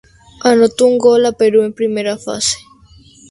Anotó un gol a Perú en primera fase.